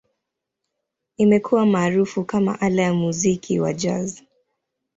Imekuwa maarufu kama ala ya muziki wa Jazz.